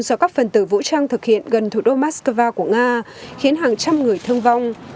do các phần tử vũ trang thực hiện gần thủ đô moscow của nga khiến hàng trăm người thương vong